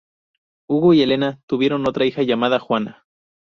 Hugo y Helena tuvieron otra hija llamada Juana.